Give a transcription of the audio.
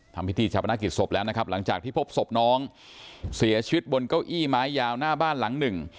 ทำพิธีชาปนกิจศพแล้วนะครับหลังจากที่พบศพน้องเสียชีวิตบนเก้าอี้ไม้ยาวหน้าบ้านหลังหนึ่ง